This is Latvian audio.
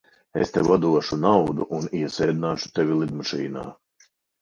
Es tev atdošu naudu un iesēdināšu tevi lidmašīnā.